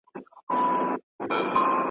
او یو ځل وای په خدایي خلکو منلی .